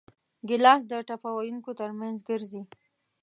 ګیلاس د ټپه ویونکو ترمنځ ګرځي.